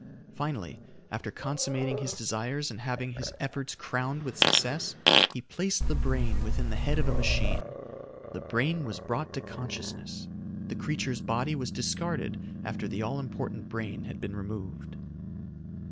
Finally, after consummating his desires and having his efforts crowned with success, he placed the brain within the head of a machine. The brain was brought to consciousness. The creature's body was discarded after the all important brain had been removed.